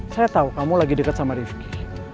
saya tau kamu lagi deket sama rifqi